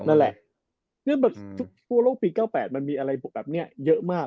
นั่นแหละทุกทั่วโลกปี๙๘มันมีอะไรแบบนี้เยอะมาก